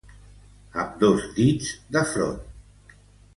Amb dos dits de front.